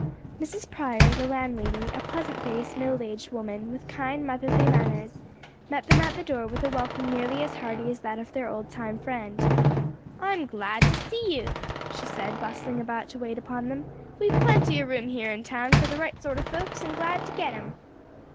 Mrs. Prior, the landlady, a pleasant faced, middle aged woman, with kind, motherly manners, met them at the door with a welcome nearly as hearty as that of their old time friend. "I'm glad to see you," she said, bustling about to wait upon them, "We've plenty o' room here in town for the right sort o' folks, and glad to get 'em."